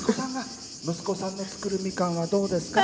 息子さんの作るみかんはどうですか？